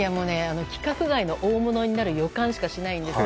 規格外の大物になる予感しかないです。